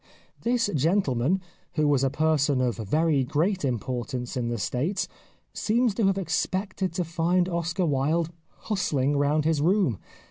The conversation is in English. This gentleman who was a person of very great im portance in the States seems to have expected to find Oscar Wilde '' hustling " round his room.